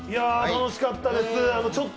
楽しかったですね。